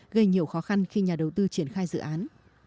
gây nhiều khó khăn khi nhà đầu tư triển khai dự án